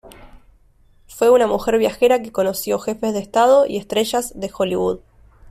Fue una mujer viajera que conoció jefes de estado y estrellas de Hollywood.